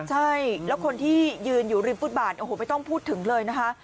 ใช่แล้วคนที่ยืนอยู่ริมฟุตบาทโอ้โหไม่ต้องพูดถึงเลยนะคะ